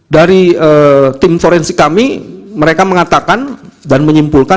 dari tim forensik kami mereka mengatakan dan menyimpulkan